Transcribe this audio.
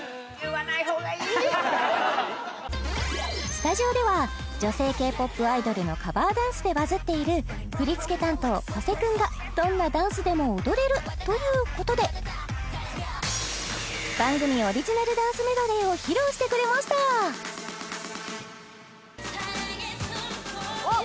スタジオでは女性Ｋ−ＰＯＰアイドルのカバーダンスでバズっている振り付け担当古瀬君がどんなダンスでも踊れるということで番組オリジナルダンスメドレーを披露してくれましたあっ